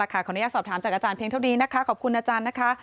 ขออนุญาตสอบถามจากอาจารย์เพียงเท่านี้นะคะขอบคุณอาจารย์นะคะ